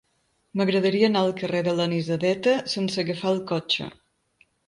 M'agradaria anar al carrer de l'Anisadeta sense agafar el cotxe.